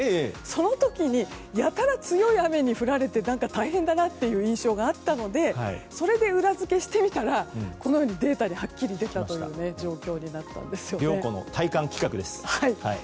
その時にやたら強い雨に降られて大変だなという印象があったのでそれで裏付けしてみたらこの世にデータではっきり出たという状況になったんです。